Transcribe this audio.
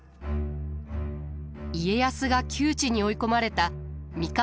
家康が窮地に追い込まれた三河